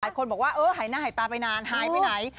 คนบอกว่าเออหายหน้าหายตาไปนานหายไปไหน